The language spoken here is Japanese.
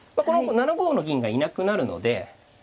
この７五の銀がいなくなるので。